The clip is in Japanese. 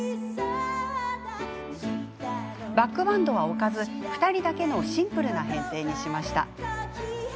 バックバンドは置かず２人だけのシンプルな編成にしました。